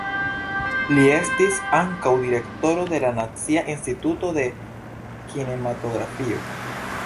Li estis ankaŭ direktoro de la Nacia Instituto de Kinematografio.